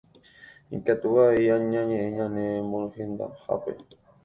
Ikatu avei ñañe'ẽ ñane mohendahápe